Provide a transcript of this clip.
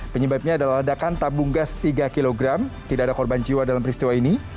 penyebabnya adalah ledakan tabung gas tiga kg tidak ada korban jiwa dalam peristiwa ini